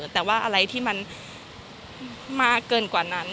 แต่ว่าอะไรที่มันมากเกินกว่านั้น